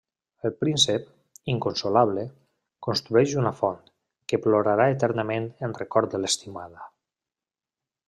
El príncep, inconsolable, construeix una font, que plorarà eternament en record de l'estimada.